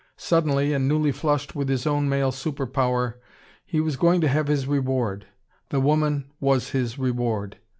Suddenly, and newly flushed with his own male super power, he was going to have his reward. The woman was his reward.